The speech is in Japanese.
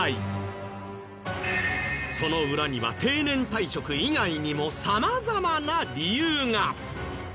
その裏には定年退職以外にもさまざまな理由が。